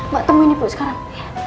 mbak temuin ibu sekarang